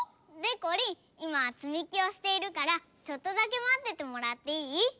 でこりんいまはつみきをしているからちょっとだけまっててもらっていい？